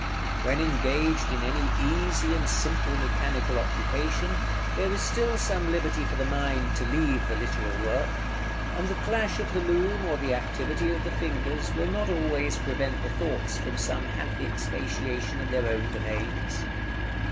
When engaged in any easy and simple mechanical occupation, there is still some liberty for the mind to leave the literal work; and the clash of the loom or the activity of the fingers will not always prevent the thoughts from some happy expatiation in their own domains.